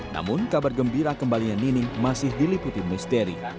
namun kabar gembira kembalinya nining masih diliputi misteri